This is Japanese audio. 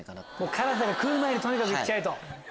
辛さが来る前にとにかく行っちゃえ！と。